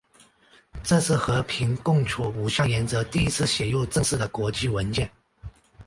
这是和平共处五项原则第一次写入正式的国际文件。